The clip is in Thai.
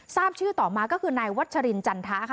ทราบชื่อต่อมาก็คือนายวัชรินจันทะค่ะ